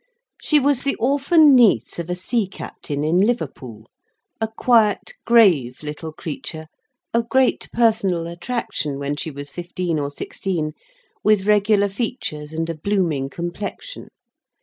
She was the orphan niece of a sea captain in Liverpool: a quiet, grave little creature, of great personal attraction when she was fifteen or sixteen, with regular features and a blooming complexion.